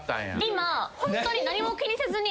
今ホントに。